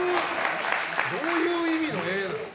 どういう意味の「えー」なの？